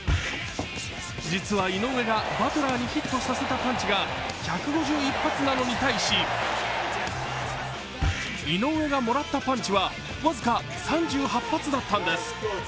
実は井上がバトラーにヒットさせたパンチが１５１発なのに対し井上がもらったパンチは僅か３８発だったんです。